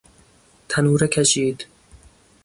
تنوره کشید